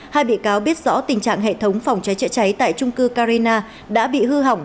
hai bị cáo biết rõ tình trạng hệ thống phòng cháy chữa cháy tại trung cư carina đã bị hư hỏng